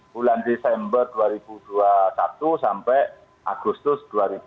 bulan desember dua ribu dua puluh satu sampai agustus dua ribu dua puluh